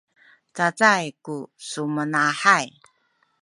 cacay ku sumanahay